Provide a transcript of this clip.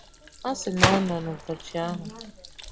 Ha sị na n'ụbọchị ahụ